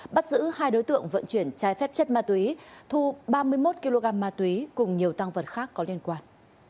bắt giữ hai đối tượng vận chuyển trái phép chất ma túy thu ba mươi một kg ma túy cùng nhiều tăng vật khác có liên quan